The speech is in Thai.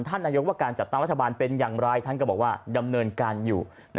นายกว่าการจัดตั้งรัฐบาลเป็นอย่างไรท่านก็บอกว่าดำเนินการอยู่